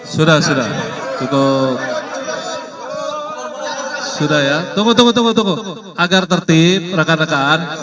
sudah sudah tunggu tunggu agar tertib rekan rekan